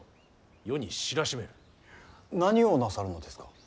何をなさるのですか。